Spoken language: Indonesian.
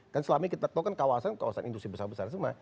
kan selama ini kita tahu kan kawasan kawasan industri besar besar semua